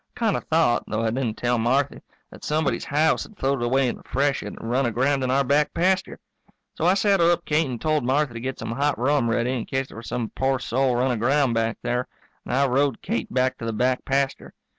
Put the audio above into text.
I kind of thought, though I didn't tell Marthy, that somebody's house had floated away in the freshet and run aground in our back pasture. So I saddled up Kate and told Marthy to get some hot rum ready in case there was some poor soul run aground back there. And I rode Kate back to the back pasture.